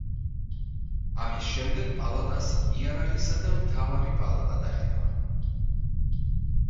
ამის შემდეგ პალატას იარაღისა და მთავარი პალატა დაერქვა.